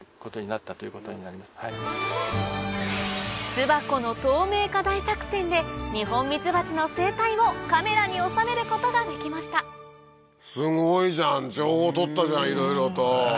巣箱の透明化大作戦でニホンミツバチの生態をカメラに収めることができましたすごいじゃん情報取ったじゃんいろいろと。